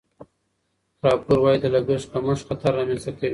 راپور وايي د لګښت کمښت خطر رامنځته کوي.